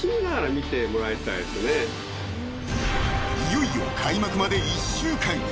［いよいよ開幕まで１週間］